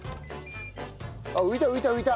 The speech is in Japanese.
あっ浮いた浮いた浮いた。